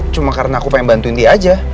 cuma karena aku pengen bantuin dia aja